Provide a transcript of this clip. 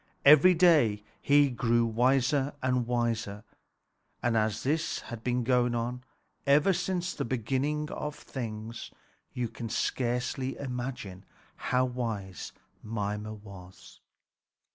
Every day he grew wiser and wiser; and as this had been going on ever since the beginning of things, you can scarcely imagine how wise Mimer was.